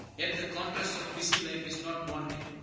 Yet the contrast of busy life is not wanting.